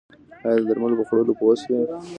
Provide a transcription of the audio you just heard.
ایا د درملو په خوړلو پوه شوئ؟